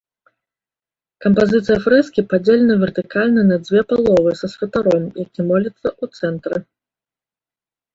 Кампазіцыя фрэскі падзелена вертыкальна на дзве паловы са святаром, які моліцца, у цэнтры.